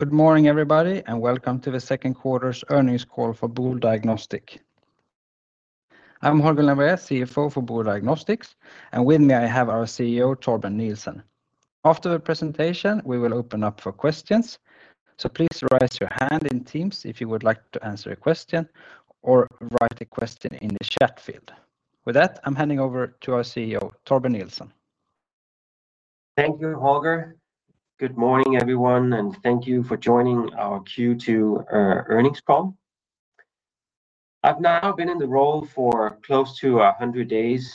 Good morning, everybody, and welcome to the Second Quarter's Earnings Call for Boule Diagnostics. I'm Holger Lembrér, CFO for Boule Diagnostics, and with me have our CEO, Torben Nielsen. After the presentation, we will open up for questions, so please raise your hand in Teams if you would like to answer a question or write a question in the chat field. With that, I'm handing over to our CEO, Torben Nielsen. Thank you, Holger. Good morning, everyone, and thank you for joining our Q2 earnings call. I've now been in the role for close to 100 days,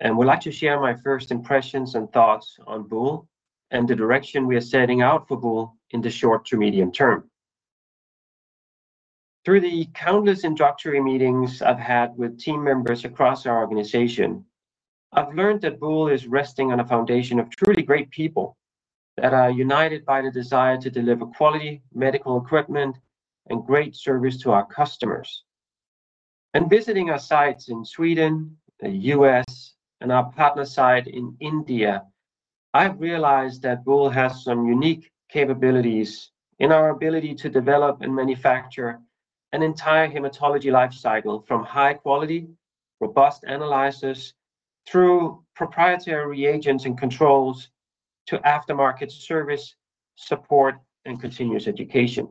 and I would like to share my first impressions and thoughts on Boule and the direction we are setting out for Boule in the short to medium term. Through the countless indoctrination meetings I've had with team members across our organization, I've learned that Boule is resting on a foundation of truly great people that are united by the desire to deliver quality medical equipment and great service to our customers. Visiting our sites in Sweden, the U.S., and our partner site in India, I've realized that Boule has some unique capabilities in our ability to develop and manufacture an entire hematology lifecycle from high-quality, robust analysis, through proprietary reagents and controls, to aftermarket service, support, and continuous education.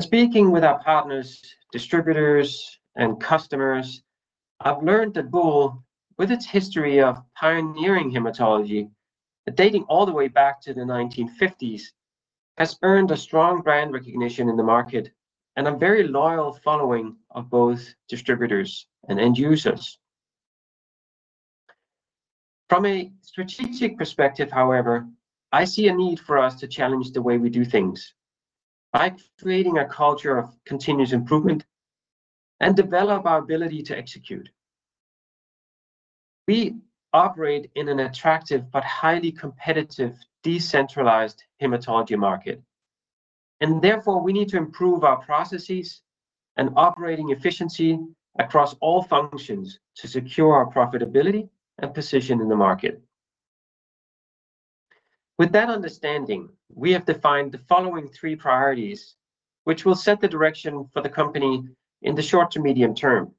Speaking with our partners, distributors, and customers, I've learned that Boule, with its history of pioneering hematology dating all the way back to the 1950s, has earned a strong brand recognition in the market and a very loyal following of both distributors and end users. From a strategic perspective, however, I see a need for us to challenge the way we do things by creating a culture of continuous improvement and developing our ability to execute. We operate in an attractive but highly competitive decentralized hematology market, and therefore we need to improve our processes and operating efficiency across all functions to secure our profitability and position in the market. With that understanding, we have defined the following three priorities, which will set the direction for the company in the short to medium term.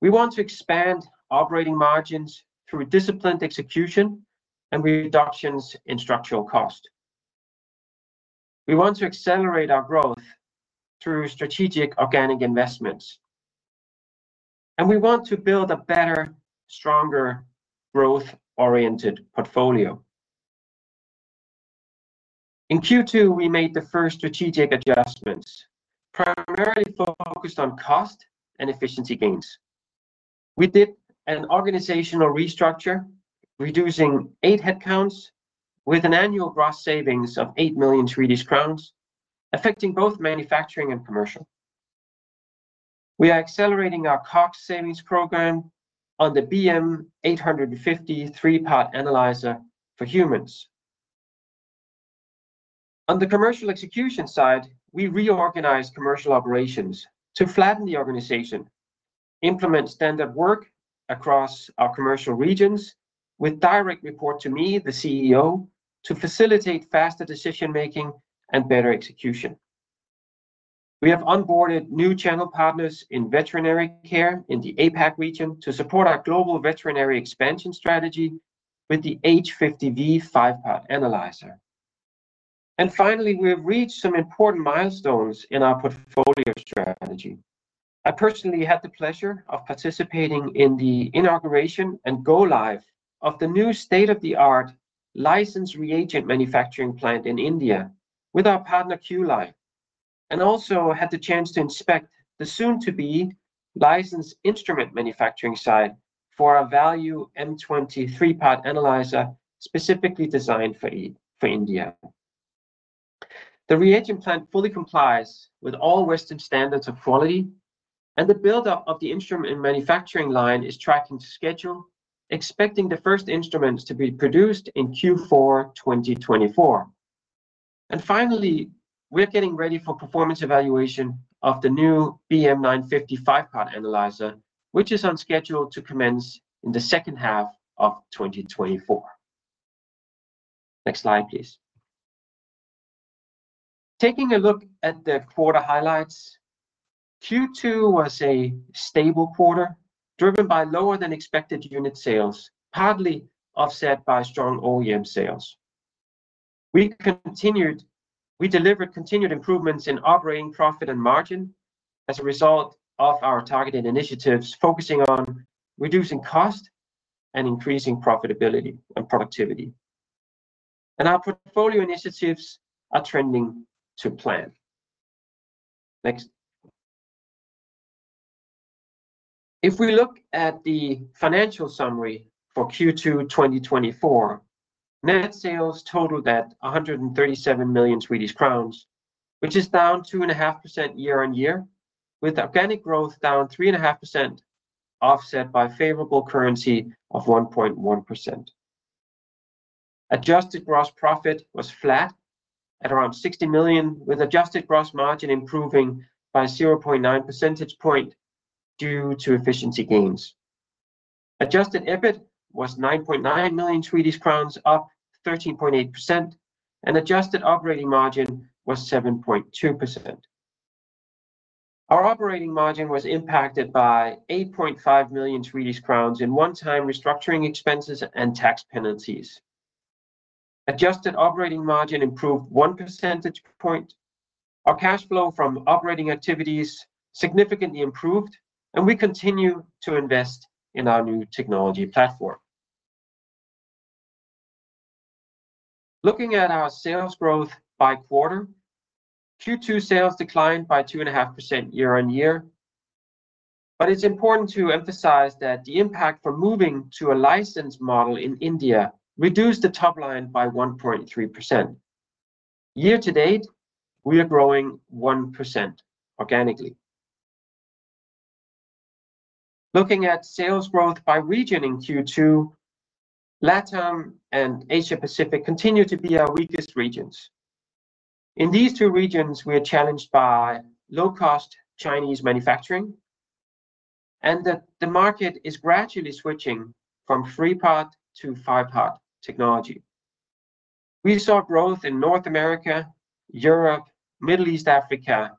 We want to expand operating margins through disciplined execution and reductions in structural cost. We want to accelerate our growth through strategic organic investments, and we want to build a better, stronger growth-oriented portfolio. In Q2, we made the first strategic adjustments, primarily focused on cost and efficiency gains. We did an organizational restructure, reducing eight headcounts with an annual gross savings of 8 million Swedish crowns, affecting both manufacturing and commercial. We are accelerating our cost savings program on the BM850 3-part analyzer for humans. On the commercial execution side, we reorganized commercial operations to flatten the organization, implement standard work across our commercial regions with direct report to me, the CEO, to facilitate faster decision-making and better execution. We have onboarded new channel partners in veterinary care in the APAC region to support our global veterinary expansion strategy with the H50V 5-part analyzer. Finally, we have reached some important milestones in our portfolio strategy. I personally had the pleasure of participating in the inauguration and go-live of the new state-of-the-art licensed reagent manufacturing plant in India with our partner Q-Line, and also had the chance to inspect the soon-to-be licensed instrument manufacturing site for a Value M20 3-part analyzer specifically designed for India. The reagent plant fully complies with all Western standards of quality, and the buildup of the instrument manufacturing line is tracking to schedule, expecting the first instruments to be produced in Q4 2024. And finally, we're getting ready for performance evaluation of the new BM950 5-part analyzer, which is on schedule to commence in the second half of 2024. Next slide, please. Taking a look at the quarter highlights, Q2 was a stable quarter driven by lower-than-expected unit sales, partly offset by strong OEM sales. We delivered continued improvements in operating profit and margin as a result of our targeted initiatives focusing on reducing cost and increasing profitability and productivity. Our portfolio initiatives are trending to plan. Next. If we look at the financial summary for Q2 2024, net sales totaled at 137 million Swedish crowns, which is down 2.5% year-over-year, with organic growth down 3.5%, offset by favorable currency of 1.1%. Adjusted gross profit was flat at around 60 million, with adjusted gross margin improving by a 0.9 percentage point due to efficiency gains. Adjusted EBIT was 9.9 million Swedish crowns, up 13.8%, and adjusted operating margin was 7.2%. Our operating margin was impacted by 8.5 million Swedish crowns in one-time restructuring expenses and tax penalties. Adjusted operating margin improved 1 percentage point. Our cash flow from operating activities significantly improved, and we continue to invest in our new technology platform. Looking at our sales growth by quarter, Q2 sales declined by 2.5% year-on-year, but it's important to emphasize that the impact from moving to a licensed model in India reduced the top line by 1.3%. Year to date, we are growing 1% organically. Looking at sales growth by region in Q2, LATAM and Asia-Pacific continue to be our weakest regions. In these two regions, we are challenged by low-cost Chinese manufacturing and that the market is gradually switching from 3-part to 5-part technology. We saw growth in North America, Europe, Middle East, Africa,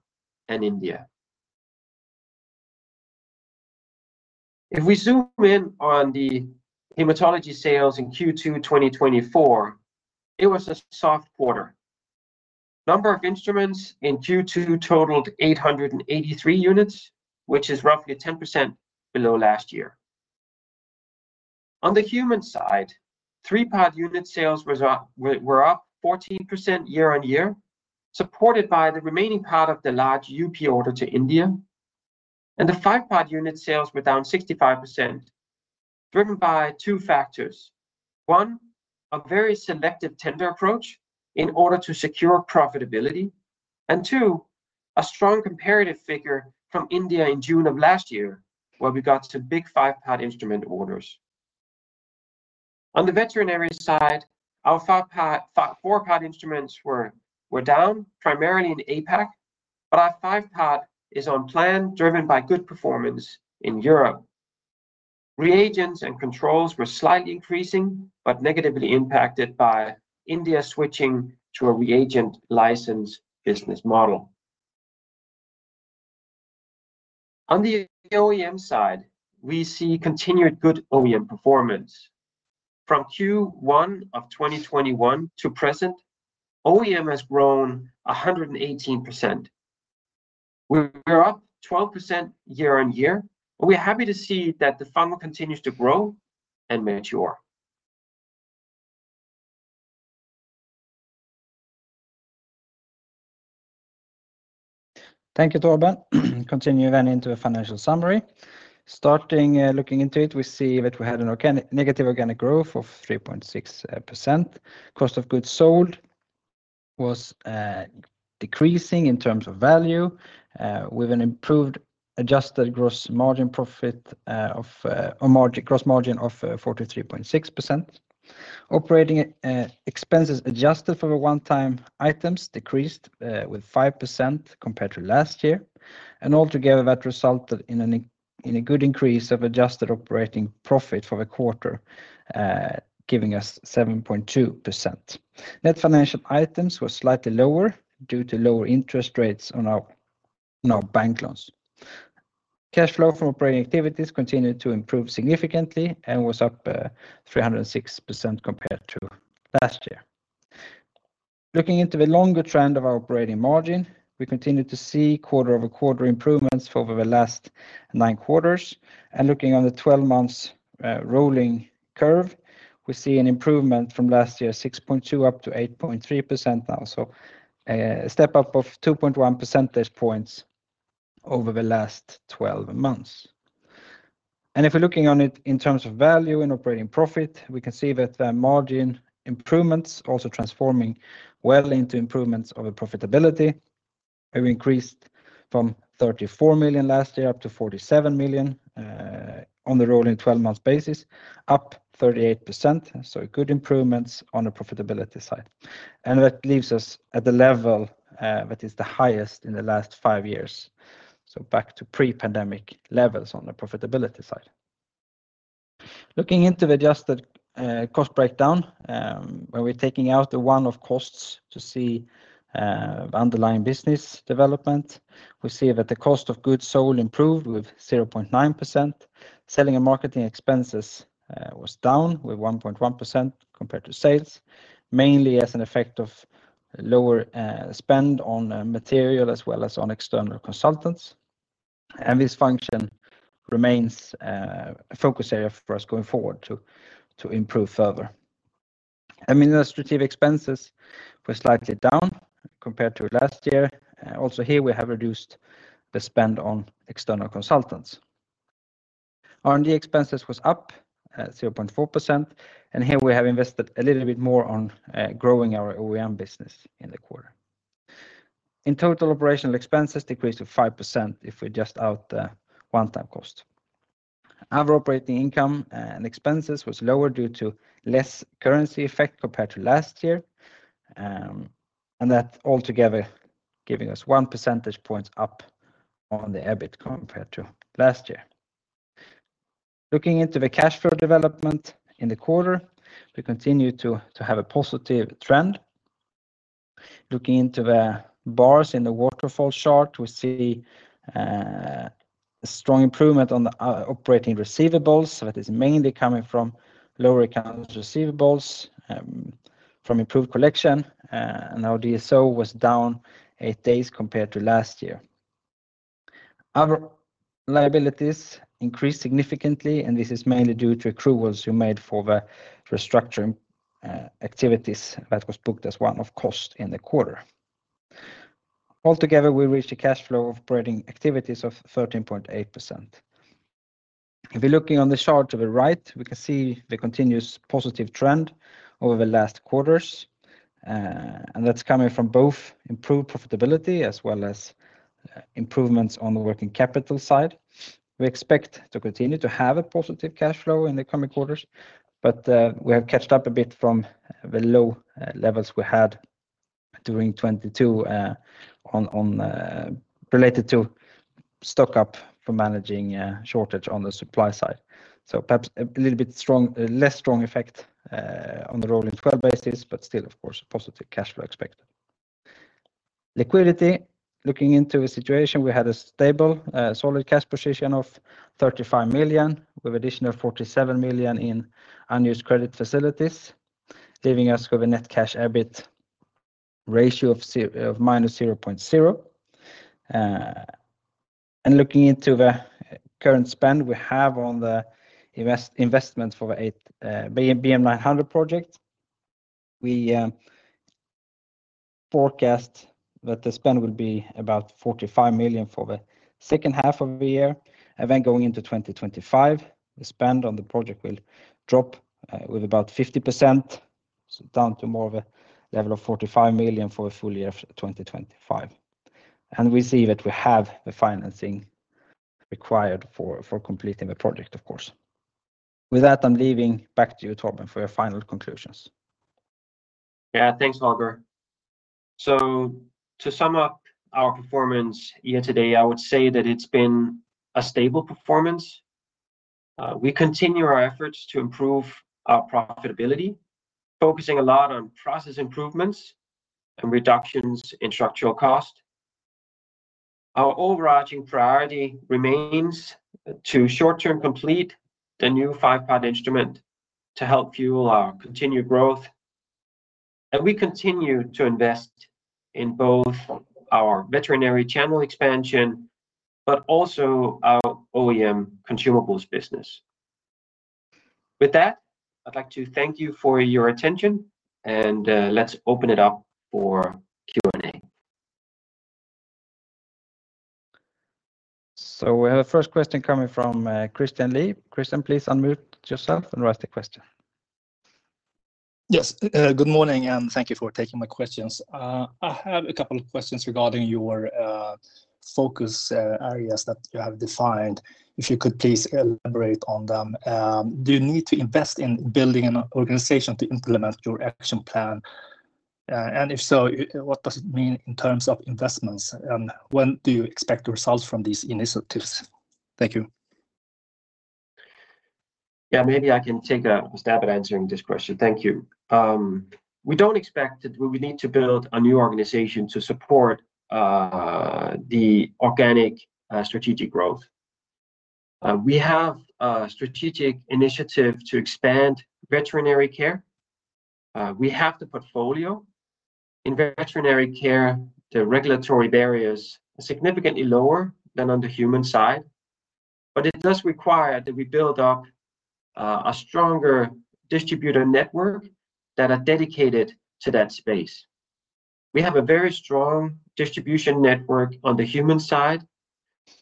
and India. If we zoom in on the hematology sales in Q2 2024, it was a soft quarter. The number of instruments in Q2 totaled 883 units, which is roughly 10% below last year. On the human side, 3-part unit sales were up 14% year-on-year, supported by the remaining part of the large UP order to India, and the 5-part unit sales were down 65%, driven by two factors. One, a very selective tender approach in order to secure profitability, and two, a strong comparative figure from India in June of last year, where we got some big 5-part instrument orders. On the veterinary side, our 4-part instruments were down, primarily in APAC, but our 5-part is on plan, driven by good performance in Europe. Reagents and controls were slightly increasing but negatively impacted by India switching to a reagent licensed business model. On the OEM side, we see continued good OEM performance. From Q1 of 2021 to present, OEM has grown 118%. We're up 12% year-on-year, and we're happy to see that the funnel continues to grow and mature. Thank you, Torben. Continuing then into the financial summary. Starting looking into it, we see that we had a negative organic growth of 3.6%. Cost of goods sold was decreasing in terms of value, with an improved adjusted gross margin profit or gross margin of 43.6%. Operating expenses adjusted for the one-time items decreased with 5% compared to last year, and altogether that resulted in a good increase of adjusted operating profit for the quarter, giving us 7.2%. Net financial items were slightly lower due to lower interest rates on our bank loans. Cash flow from operating activities continued to improve significantly and was up 306% compared to last year. Looking into the longer trend of our operating margin, we continue to see quarter-over-quarter improvements for the last nine quarters. Looking on the 12-month rolling curve, we see an improvement from last year's 6.2% up to 8.3% now, so a step up of 2.1 percentage points over the last 12 months. If we're looking on it in terms of value and operating profit, we can see that the margin improvements also transforming well into improvements of profitability. We increased from 34 million last year up to 47 million on the rolling 12-month basis, up 38%, so good improvements on the profitability side. That leaves us at the level that is the highest in the last five years, so back to pre-pandemic levels on the profitability side. Looking into the adjusted cost breakdown, when we're taking out the one-off costs to see underlying business development, we see that the cost of goods sold improved with 0.9%. Selling and marketing expenses was down with 1.1% compared to sales, mainly as an effect of lower spend on material as well as on external consultants. This function remains a focus area for us going forward to improve further. Administrative expenses were slightly down compared to last year. Also here, we have reduced the spend on external consultants. R&D expenses were up 0.4%, and here we have invested a little bit more on growing our OEM business in the quarter. In total, operational expenses decreased to 5% if we just take out the one-time cost. Our operating income and expenses were lower due to less currency effect compared to last year, and that altogether giving us 1 percentage point up on the EBIT compared to last year. Looking into the cash flow development in the quarter, we continue to have a positive trend. Looking into the bars in the waterfall chart, we see a strong improvement on the operating receivables that is mainly coming from lower account receivables from improved collection, and our DSO was down eight days compared to last year. Our liabilities increased significantly, and this is mainly due to accruals we made for the restructuring activities that was booked as one-off cost in the quarter. Altogether, we reached a cash flow operating activities of 13.8%. If we're looking on the chart to the right, we can see the continuous positive trend over the last quarters, and that's coming from both improved profitability as well as improvements on the working capital side. We expect to continue to have a positive cash flow in the coming quarters, but we have caught up a bit from the low levels we had during 2022 related to stock up for managing shortage on the supply side. So perhaps a little bit less strong effect on the rolling 12-month basis, but still, of course, a positive cash flow expected. Liquidity, looking into the situation, we had a stable, solid cash position of 35 million with an additional 47 million in unused credit facilities, leaving us with a net cash EBIT ratio of -0.0. Looking into the current spend we have on the investment for the BM900 project, we forecast that the spend will be about 45 million for the second half of the year. Then going into 2025, the spend on the project will drop with about 50%, so down to more of a level of 45 million for the full year of 2025. We see that we have the financing required for completing the project, of course. With that, I'm leaving back to you, Torben, for your final conclusions. Yeah, thanks, Holger. So to sum up our performance here today, I would say that it's been a stable performance. We continue our efforts to improve our profitability, focusing a lot on process improvements and reductions in structural cost. Our overarching priority remains to short-term complete the new 5-part instrument to help fuel our continued growth. And we continue to invest in both our veterinary channel expansion but also our OEM consumables business. With that, I'd like to thank you for your attention, and let's open it up for Q&A. So we have a first question coming from Christian Lee. Christian, please unmute yourself and raise the question. Yes, good morning, and thank you for taking my questions. I have a couple of questions regarding your focus areas that you have defined. If you could please elaborate on them. Do you need to invest in building an organization to implement your action plan? And if so, what does it mean in terms of investments, and when do you expect the results from these initiatives? Thank you. Yeah, maybe I can take a stab at answering this question. Thank you. We don't expect that we would need to build a new organization to support the organic strategic growth. We have a strategic initiative to expand veterinary care. We have the portfolio. In veterinary care, the regulatory barriers are significantly lower than on the human side, but it does require that we build up a stronger distributor network that is dedicated to that space. We have a very strong distribution network on the human side.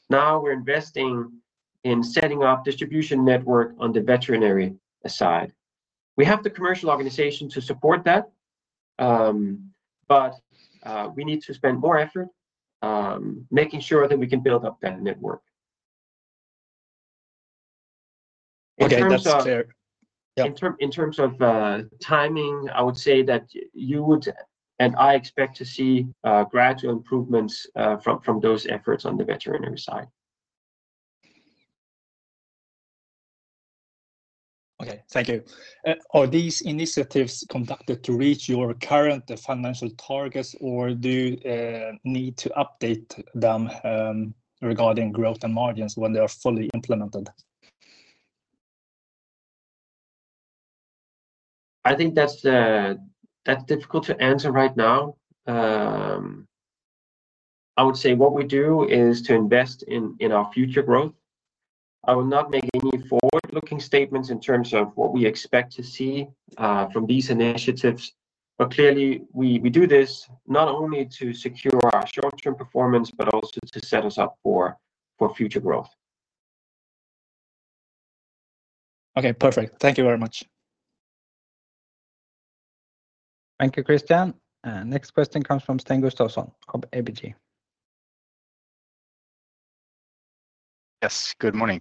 Now we're investing in setting up a distribution network on the veterinary side. We have the commercial organization to support that, but we need to spend more effort making sure that we can build up that network. Okay, that's clear. In terms of timing, I would say that you would and I expect to see gradual improvements from those efforts on the veterinary side. Okay, thank you. Are these initiatives conducted to reach your current financial targets, or do you need to update them regarding growth and margins when they are fully implemented? I think that's difficult to answer right now. I would say what we do is to invest in our future growth. I will not make any forward-looking statements in terms of what we expect to see from these initiatives, but clearly, we do this not only to secure our short-term performance but also to set us up for future growth. Okay, perfect. Thank you very much. Thank you, Christian. Next question comes from Sten Gustafsson of ABG. Yes, good morning.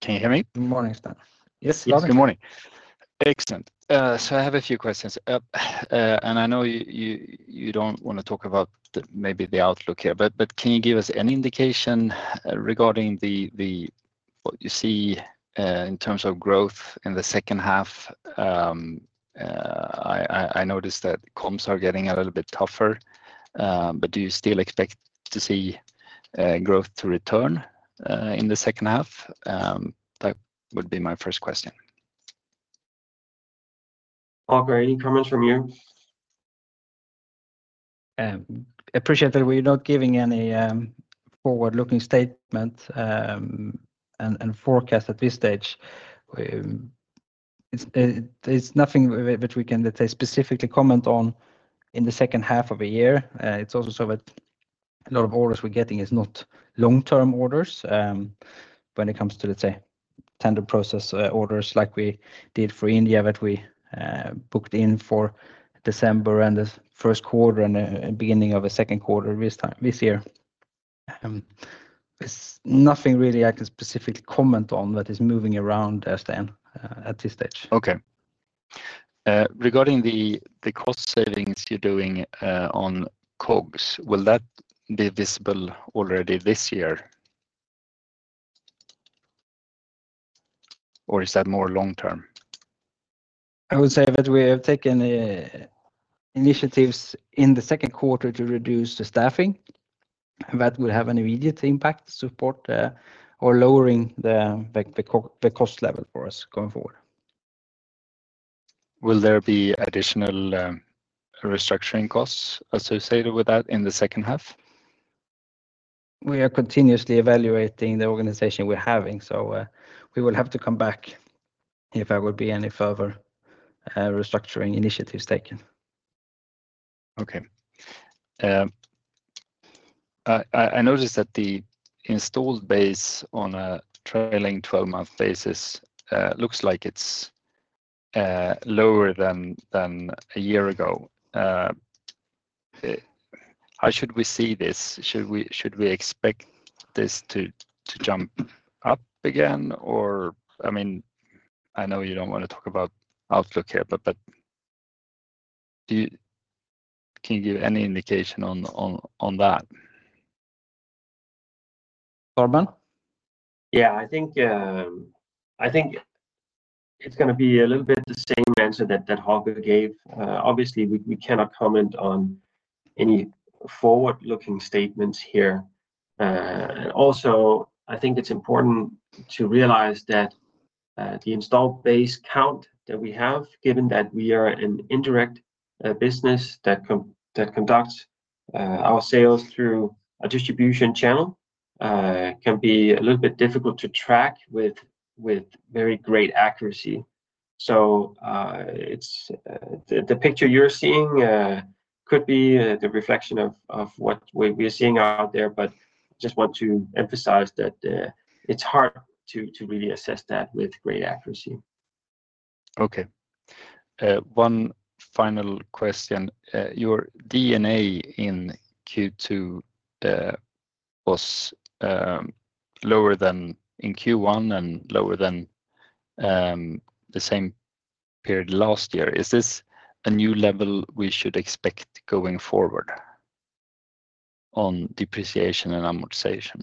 Can you hear me? Good morning, Sten. Yes, you are. Yes, good morning. Excellent. So I have a few questions, and I know you don't want to talk about maybe the outlook here, but can you give us any indication regarding what you see in terms of growth in the second half? I noticed that comps are getting a little bit tougher, but do you still expect to see growth to return in the second half? That would be my first question. Holger, any comments from you? Appreciated that we're not giving any forward-looking statement and forecast at this stage. It's nothing that we can, let's say, specifically comment on in the second half of a year. It's also so that a lot of orders we're getting are not long-term orders when it comes to, let's say, tender process orders like we did for India that we booked in for December and the first quarter and the beginning of the second quarter this year. There's nothing really I can specifically comment on that is moving around, Sten, at this stage. Okay. Regarding the cost savings you're doing on COGS, will that be visible already this year, or is that more long-term? I would say that we have taken initiatives in the second quarter to reduce the staffing. That would have an immediate impact to support or lowering the cost level for us going forward. Will there be additional restructuring costs associated with that in the second half? We are continuously evaluating the organization we're having, so we will have to come back if there would be any further restructuring initiatives taken. Okay. I noticed that the installed base on a trailing 12-month basis looks like it's lower than a year ago. How should we see this? Should we expect this to jump up again? I mean, I know you don't want to talk about outlook here, but can you give any indication on that? Torben? Yeah, I think it's going to be a little bit the same answer that Holger gave. Obviously, we cannot comment on any forward-looking statements here. Also, I think it's important to realize that the installed base count that we have, given that we are an indirect business that conducts our sales through a distribution channel, can be a little bit difficult to track with very great accuracy. So the picture you're seeing could be the reflection of what we're seeing out there, but I just want to emphasize that it's hard to really assess that with great accuracy. Okay. One final question. Your D&A in Q2 was lower than in Q1 and lower than the same period last year. Is this a new level we should expect going forward on depreciation and amortization?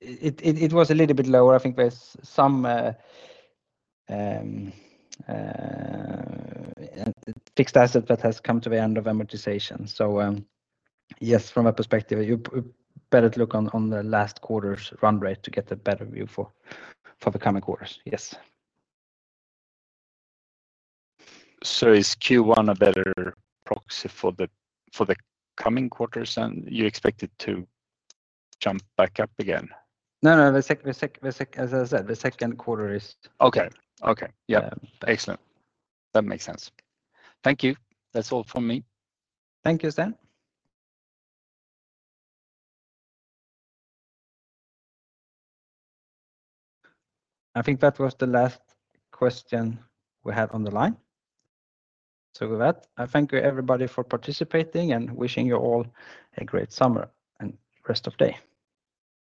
It was a little bit lower. I think there's some fixed asset that has come to the end of amortization. So yes, from a perspective, you better look on the last quarter's run rate to get a better view for the coming quarters. Yes. Is Q1 a better proxy for the coming quarters, and you expect it to jump back up again? No, no. As I said, the second quarter is. Okay. Yeah. Excellent. That makes sense. Thank you. That's all from me. Thank you, Sten. I think that was the last question we had on the line. So with that, I thank you, everybody, for participating and wishing you all a great summer and rest of day.